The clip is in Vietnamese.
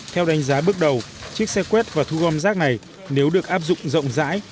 theo đánh giá bước đầu chiếc xe quét và thu gom rác này nếu được áp dụng rộng rãi